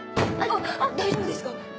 あっ大丈夫ですか？